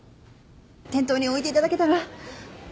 店頭に置いて頂けたら。